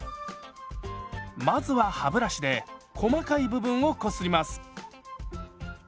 まずは歯ブラシで細かい部分をこすります。